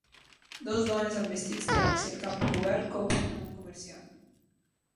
Dues dones amb vestits llargs i el cap cobert compren a un comerciant.